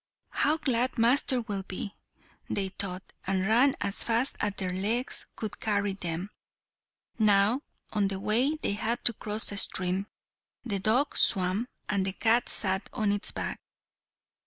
"How glad master will be!" they thought, and ran as fast as their legs could carry them. Now, on the way they had to cross a stream. The dog swam, and the cat sat on its back.